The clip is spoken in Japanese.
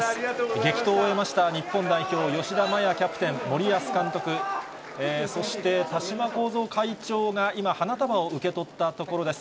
激闘を終えました日本代表、吉田麻也キャプテン、森保監督、そしてたしまこうぞう会長が今、花束を受け取ったところです。